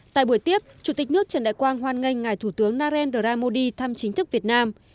tại buổi tiếp chủ tịch nước trần đại quang hoan nghênh ngài thủ tướng narendra modi thăm chính thức việt nam